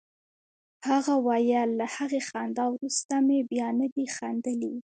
هغه ویل له هغې خندا وروسته مې بیا نه دي خندلي